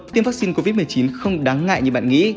tiêm vaccine covid một mươi chín không đáng ngại như bạn nghĩ